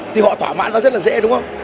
thì họ thỏa mãn nó rất là dễ đúng không